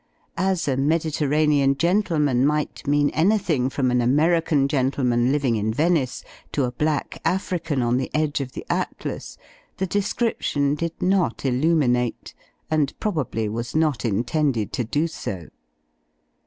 As a Mediterranean gentleman might mean anything from an American gentleman living in Venice to a black African on the edge of the Atlas, the description, did not illuminate ; and probably was not intended to do so.